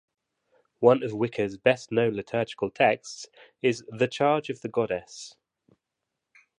One of Wicca's best known liturgical texts is "The Charge of the Goddess".